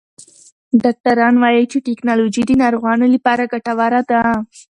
ډاکټران وایې چې ټکنالوژي د ناروغانو لپاره ګټوره ده.